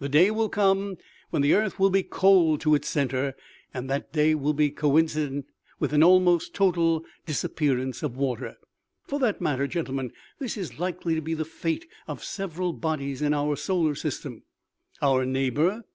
The day will come when the earth will be cold to its center, and that day will be coinci dent with an almost total disappearance of water. " For that matter, gentlemen, this is likely to be the fate of several bodies in our solar system. Our neighbor the 94 OMEGA. NO MORE WATER.